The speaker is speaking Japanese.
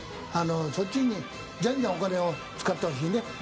そっちにじゃんじゃんお金を使ってほしいね。